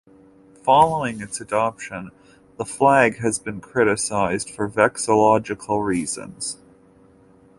Following its adoption, the flag has been criticized for vexillological reasons.